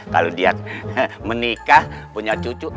kalau dia menikah punya cucu